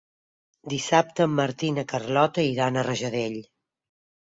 Dissabte en Martí i na Carlota iran a Rajadell.